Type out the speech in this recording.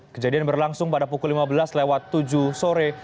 kejadian berlangsung pada pukul lima belas lewat tujuh sore